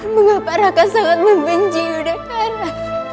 mengapa raka sangat membenci udara